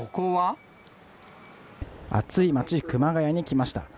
暑い町、熊谷に来ました。